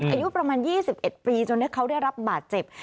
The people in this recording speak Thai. อายุประมาณ๒๑ปีจนเขาได้รับบาดเจ็บ